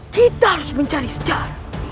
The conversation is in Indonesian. kita harus mencari sejarah